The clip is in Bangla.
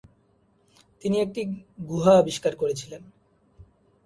তিনি একটা গুহা আবিষ্কার করেছিলেন।